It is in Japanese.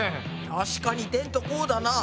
確かにテントこうだな。